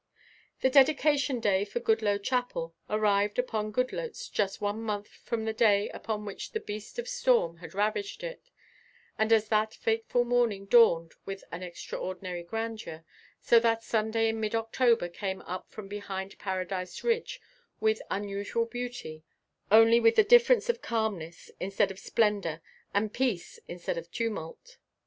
The dedication day for Goodloe Chapel arrived upon Goodloets just one month from the day upon which the beast of storm had ravaged it, and as that fateful morning dawned with an extraordinary grandeur, so that Sunday in mid October came up from behind Paradise Ridge with unusual beauty, only with the difference of calmness instead of splendor and peace instead of tumult.